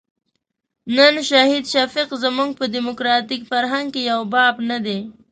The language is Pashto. نن شهید شفیق زموږ په ډیموکراتیک فرهنګ کې یو باب نه دی.